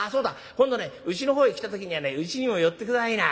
今度ねうちの方へ来た時にはねうちにも寄って下さいな。